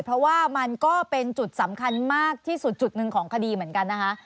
เพราะว่ามันก็เป็นจุดสำคัญมากที่สุดจุดหนึ่งของคดีเหมือนกันนะคะ